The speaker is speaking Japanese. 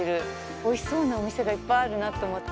おいしそうなお店がいっぱいあるなと思って。